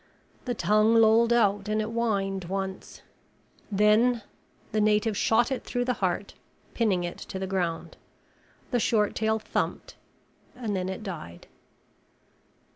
The tongue lolled out and it whined once. Then the native shot it through the heart, pinning it to the ground. The short tail thumped and then it died.